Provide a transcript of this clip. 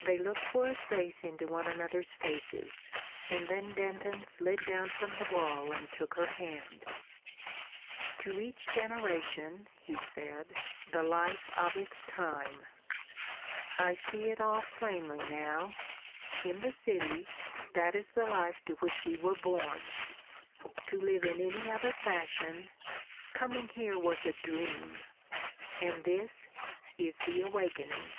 They looked for a space into one another's faces, and then Denton slid down from the wall and took her hand. "To each generation," he said, "the life of its time. I see it all plainly now. In the city that is the life to which we were born. To live in any other fashion ... Coming here was a dream, and this is the awakening."